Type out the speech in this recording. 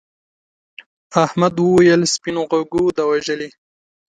احمد وویل سپین غوږو دا وژلي.